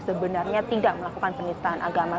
sebenarnya tidak melakukan penistaan agama